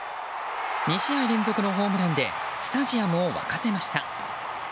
２試合連続のホームランでスタジアムを沸かせました。